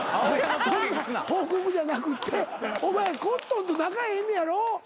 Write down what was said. そんな報告じゃなくてお前コットンと仲ええんやろ？